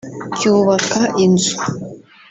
cyubaka inzu